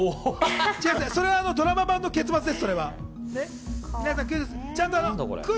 それはドラマ版の結末です。